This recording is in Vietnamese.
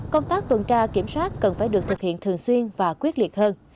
công tác tuần tra kiểm soát cần phải được thực hiện thường xuyên và quyết liệt hơn